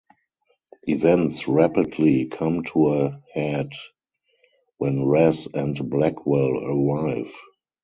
Events rapidly come to a head when Rez and Blackwell arrive.